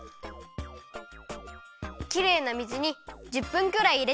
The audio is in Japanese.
きれいな水に１０分くらいいれておくよ。